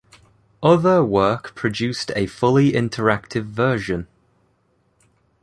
Other work produced a fully interactive version.